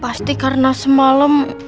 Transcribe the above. pasti karena semalam